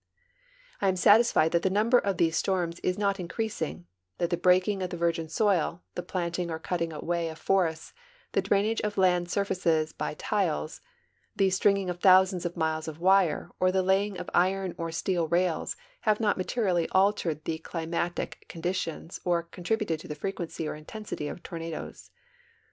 I am satisfied that the nnmher of these storms is not increas ing; that the breaking of the virgin soil, the planting or cutting away of forests, the drainage of land surfaces by tiles, the string ing of thousands of miles of wire, or the laying of iron or steel rails have not materially altered the climatic conditions or con tributed to the frequency or intensity of tornadoes.